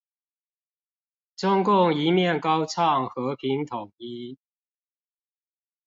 中共一面高唱和平統一